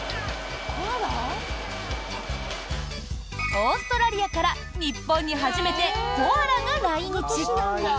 オーストラリアから日本に初めてコアラが来日。